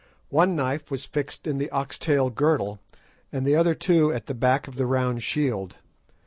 One knife was fixed in the ox tail girdle, and the other two at the back of the round shield.